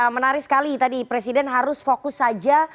menarik sekali tadi presiden harus fokus saja